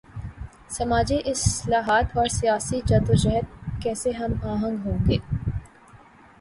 سماجی اصلاحات اور سیاسی جد و جہد کیسے ہم آہنگ ہوںگے؟